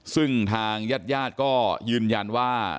ซึ่งทางญาติญาติก็ยืนยันว่า